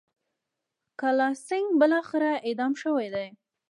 کالاسینګهـ بالاخره اعدام شوی دی.